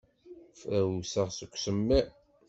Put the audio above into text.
Frawseɣ seg usemmiḍ.